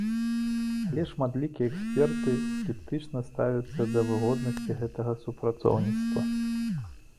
Але шматлікія эксперты скептычна ставяцца да выгоднасці гэтага супрацоўніцтва.